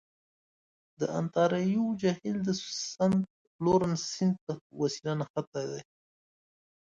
د انتاریو جهیل د سنت لورنس سیند په وسیله نښتی دی.